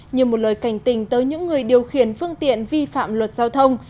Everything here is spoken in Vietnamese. như một lời cảnh tình tới những người điều khiển phương tiện vi phạm luật giao thông